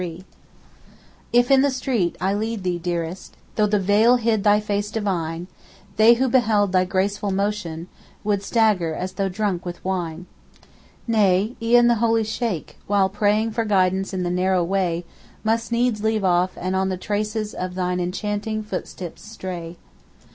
'If in the street I led thee, dearest, Though the veil hid thy face divine, They who beheld thy graceful motion Would stagger as though drunk with wine. Nay, e'en the holy Sheykh, while praying For guidance in the narrow way, Must needs leave off, and on the traces Of thine enchanting footsteps stray.